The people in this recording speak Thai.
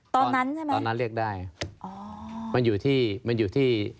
ตอนนั้นใช่ไหมตอนนั้นเรียกได้อ๋อมันอยู่ที่มันอยู่ที่